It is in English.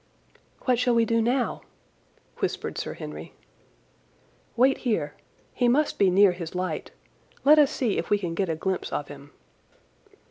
"What shall we do now?" whispered Sir Henry. "Wait here. He must be near his light. Let us see if we can get a glimpse of him."